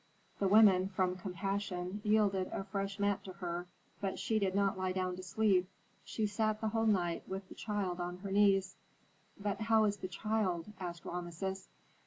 The women, from compassion, yielded a fresh mat to her, but she did not lie down to sleep; she sat the whole night with her child on her knees." "But how is the child?" asked Rameses.